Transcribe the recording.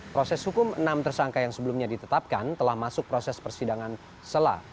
proses hukum enam tersangka yang sebelumnya ditetapkan telah masuk proses persidangan sela